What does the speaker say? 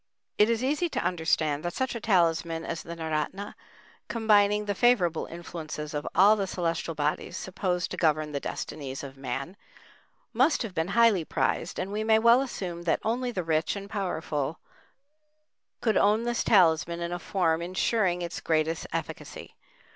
It is easy to understand that such a talisman as the naoratna, combining the favorable influences of all the celestial bodies supposed to govern the destinies of man, must have been highly prized, and we may well assume that only the rich and powerful could own this talisman in a form ensuring its greatest efficacy.